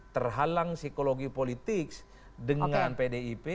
terhalang psikologi politik dengan pdip